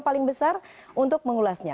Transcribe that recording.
paling besar untuk mengulasnya